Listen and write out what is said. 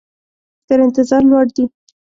تر انتظار لوړ دي.